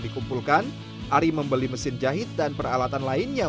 cepat ya berarti ya